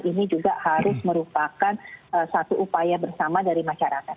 ini juga harus merupakan satu upaya bersama dari masyarakat